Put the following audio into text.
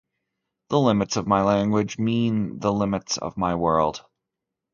The limits of my language mean the limits of my world.